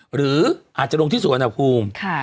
หรืออาจจะลงที่สุวรรณภูมิ